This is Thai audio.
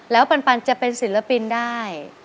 แล้วปันจะเป็นศิลปินได้